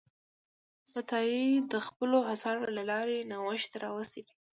عطایي د خپلو اثارو له لارې نوښت راوستی دی.